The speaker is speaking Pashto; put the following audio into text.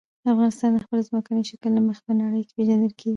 افغانستان د خپل ځمکني شکل له مخې په نړۍ کې پېژندل کېږي.